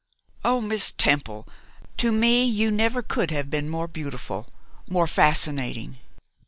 O Miss Temple, to me you never could have been more beautiful, more fascinating.